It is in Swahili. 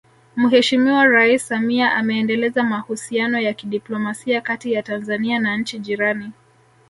Mheshimiwa Rais Samia ameendeleza mahusiano ya kidiplomasia kati ya Tanzania na nchi jirani